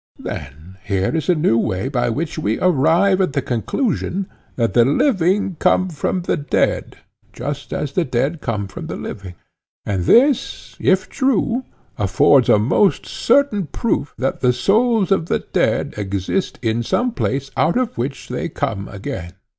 Then here is a new way by which we arrive at the conclusion that the living come from the dead, just as the dead come from the living; and this, if true, affords a most certain proof that the souls of the dead exist in some place out of which they come again.